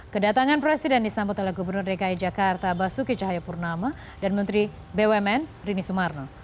kedatangan presiden disambut oleh gubernur dki jakarta basuki cahayapurnama dan menteri bumn rini sumarno